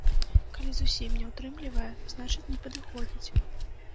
Калі зусім не ўтрымлівае, значыць не падыходзіць.